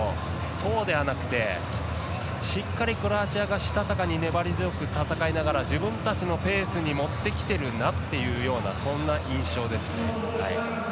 そうではなくてしっかりとクロアチアがしたたかに粘り強く戦いながら自分たちのペースに持ってきているなというそんな印象ですね。